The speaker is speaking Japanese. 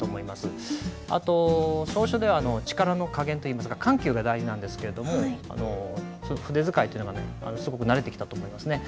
あと草書では力の加減緩急が大事なんですけれども筆使いというのがすごく慣れてきたと思いますね。